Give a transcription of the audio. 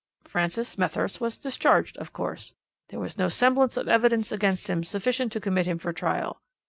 "Francis Smethurst was discharged, of course; there was no semblance of evidence against him sufficient to commit him for trial.